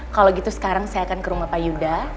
kalau gitu sekarang saya akan ke rumah pak yuda